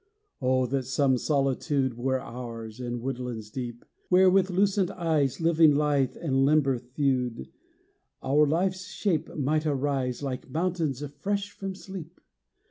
Oh, that some solitude Were ours, in woodlands deep, Where, with lucent eyes, Living lithe and limber thewed, Our life's shape might arise Like mountains fresh from sleep!